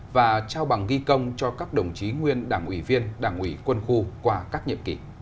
và trao bằng ghi công cho các đồng chí nguyên đảng ủy viên đảng ủy quân khu qua các nhiệm kỳ